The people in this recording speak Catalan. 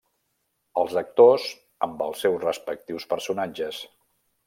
Els actors amb els seus respectius personatges.